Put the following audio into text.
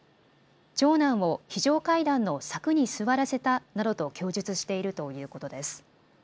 長男を非常階段の柵に座らせたなどと供述しているということです。